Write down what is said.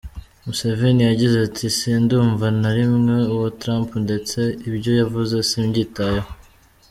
Museveni yagize ati “ Sindumva na rimwe uwo Trump ndetse ibyo yavuze simbyitayeho.